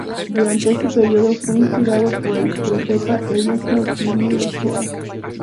Durante este periodo fue inspirado por el profeta Elías para escribir el "Zohar".